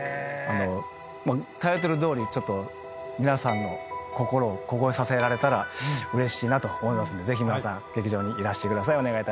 タイトルどおり皆さんの心を凍えさせられたらうれしいなと思いますんでぜひ皆さん劇場にいらしてください。